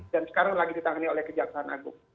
dan sekarang lagi ditangani oleh kejaksaan agung